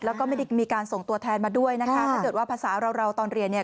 แล้วก็ไม่ได้มีการส่งตัวแทนมาด้วยนะคะถ้าเกิดว่าภาษาเราเราตอนเรียนเนี่ย